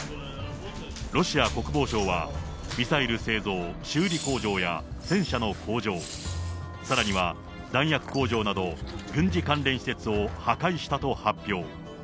ロシア国防省は、ミサイル製造・修理工場や戦車の工場、さらには、弾薬工場など軍事関連施設を破壊したと発表。